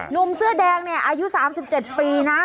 หนุ่มเสื้อแดงเนี่ยอายุ๓๗ปีนะ